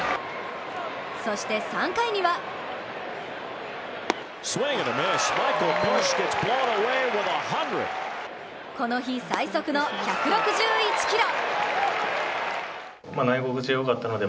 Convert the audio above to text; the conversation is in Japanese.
そして３回にはこの日最速の１６１キロ。